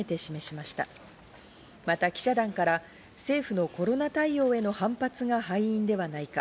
また記者団から、政府のコロナ対応への反発が敗因ではないか。